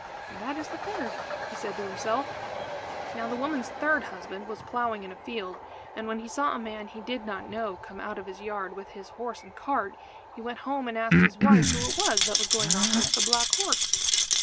"That is the third," said he to himself. Now the woman's third husband was ploughing in a field, and when he saw a man he did not know come out of his yard with his horse and cart, he went home and asked his wife, who it was that was going off with the black horse.